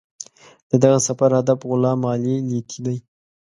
د دغه سفر هدف غلام علي لیتي دی.